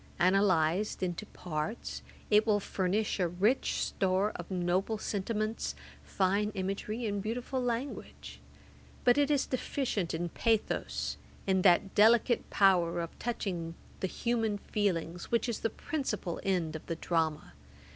Analysed into parts, it will furnish a rich store of noble sentiments, fine imagery, and beautiful language; but it is deficient in pathos, in that delicate power of touching the human feelings, which is the principal end of the drama.